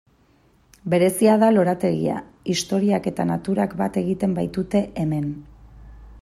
Berezia da lorategia, historiak eta naturak bat egiten baitute hemen.